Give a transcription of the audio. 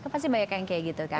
pasti banyak yang kayak gitu kan